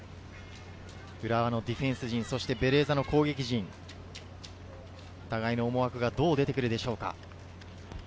浦和のディフェンス陣、ベレーザの攻撃陣、互いの思惑がどう出てくるでしょうか。